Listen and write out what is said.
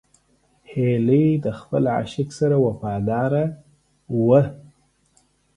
هیلۍ د خپل عاشق سره وفاداره وي